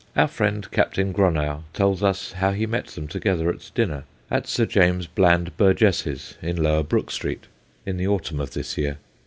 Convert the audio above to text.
Our friend Captain Gronow tells us how he met them together at dinner at Sir James Bland Burgess's, in Lower Brook Street, in the autumn of this year.